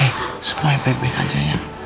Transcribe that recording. eh semuanya baik baik aja ya